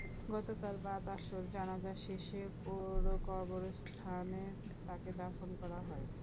গতকাল বাদ আসর জানাজা শেষে পৌর কবরস্থানে তাঁকে দাফন করা হয়।